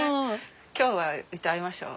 今日は歌いましょう。